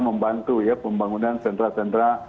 membantu ya pembangunan sentra sentra